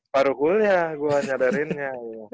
baru kuliah gue nyadarinnya